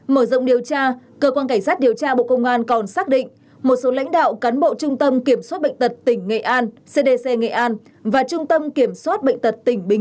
hai mở rộng điều tra cơ quan cảnh sát điều tra bộ công an còn xác định một số lãnh đạo cán bộ trung tâm kiểm soát bệnh tật tỉnh nghệ an